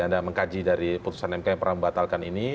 anda mengkaji dari putusan mk yang pernah membatalkan ini